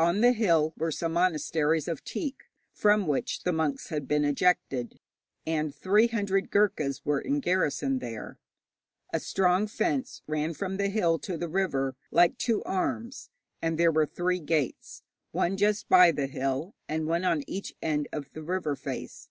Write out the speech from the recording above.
On the hill were some monasteries of teak, from which the monks had been ejected, and three hundred Ghurkas were in garrison there. A strong fence ran from the hill to the river like two arms, and there were three gates, one just by the hill, and one on each end of the river face.